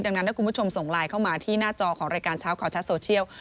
ดังนั้นถ้าคุณผู้ชมส่งไลน์เข้ามาที่หน้าจอของรายการเช้าข่าวชัดโซเชียล